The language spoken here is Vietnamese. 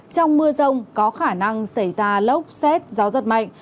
trong mưa rông có khả năng xảy ra lốc xét gió giật mạnh